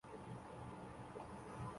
疏受为太子太傅疏广之侄。